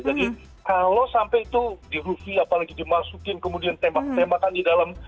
kalau sampai itu dirugi apalagi dimasukin kemudian tembak tembakan di dalam